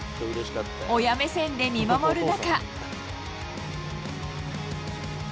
親目線で見守る中。